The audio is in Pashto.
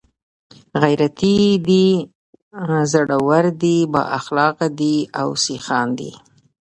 ، غيرتي دي، زړور دي، بااخلاقه دي او سخيان دي